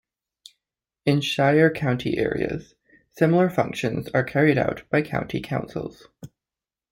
In shire county areas, similar functions are carried out by county councils.